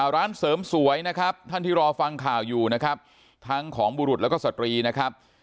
ร้านเสริมสวยนะครับท่านที่รอฟังข่าวอยู่นะครับทั้งของบุรุษแล้วก็สตรีนะครับ